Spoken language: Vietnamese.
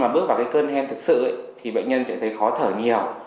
bước vào cân hen thực sự thì bệnh nhân sẽ thấy khó thở nhiều